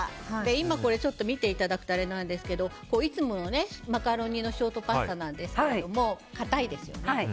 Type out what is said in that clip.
今、見ていただくとあれなんですけどいつものマカロニのショートパスタなんですが固いですよね。